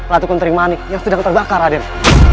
ratu kuntri manik yang sedang terbakar raden